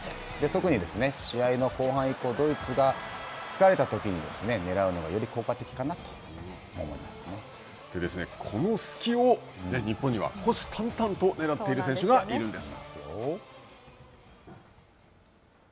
特に試合の後半以降、ドイツが疲れたときにねらうのが、より効果的かなと思この隙を日本には虎視たんたんとねらっている選手がいるんです。